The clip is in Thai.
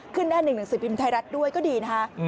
หน้าหนึ่งหนังสือพิมพ์ไทยรัฐด้วยก็ดีนะคะ